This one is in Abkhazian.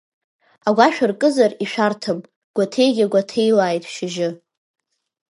Агәашә аркызар ишәарҭам, Гәаҭеигьы гәаҭеилааит шьыжьы.